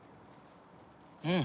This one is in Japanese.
うん！